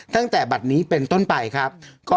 ตั้งแต่บัตรนี้เป็นต้นไปครับ